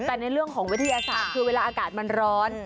แต่ในเรื่องของวิทยาศาสตร์คือเวลาอากาศมันร้อน